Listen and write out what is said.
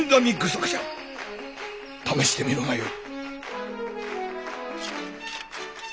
試してみるがよい。